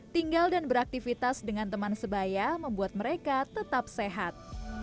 tinggal dan beraktivitas dengan teman sebaya membuat mereka tetap sehat